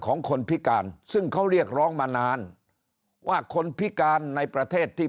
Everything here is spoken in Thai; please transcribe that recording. ของคนพิการซึ่งเขาเรียกร้องมานานว่าคนพิการในประเทศที่